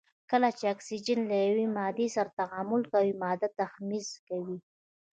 کله چې اکسیجن له یوې مادې سره تعامل کوي ماده تحمض کیږي.